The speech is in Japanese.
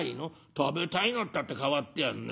「食べたいのったって変わってやんね。